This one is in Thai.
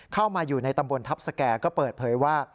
เข้ามาอยู่ในตำบลทัพสแก่ก็เปิดเผยว่า